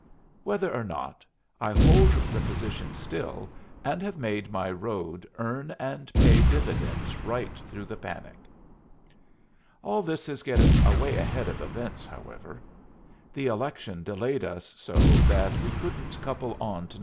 Whether or not, I hold the position still, and have made my road earn and pay dividends right through the panic. All this is getting away ahead of events, however. The election delayed us so that we couldn't couple on to No.